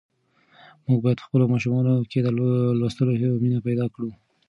موږ باید په خپلو ماشومانو کې د لوستلو مینه پیدا کړو.